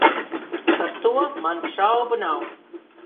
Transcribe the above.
Par to man šaubu nav.